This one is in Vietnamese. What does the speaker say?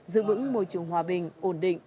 giữ vững môi trường hòa bình ổn định